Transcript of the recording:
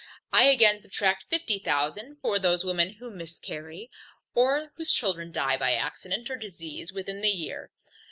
I again subtract fifty thousand, for those women who miscarry, or whose children die by accident or disease within the year.